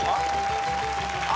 あ！